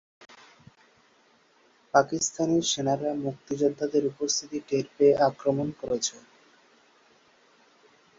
পাকিস্তানি সেনারা মুক্তিযোদ্ধাদের উপস্থিতি টের পেয়ে আক্রমণ করেছে।